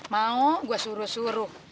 mau gua suruh suruh